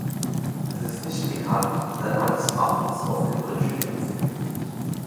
Es ist nicht bekannt, seit wann es Muffins auf den Britischen Inseln gibt.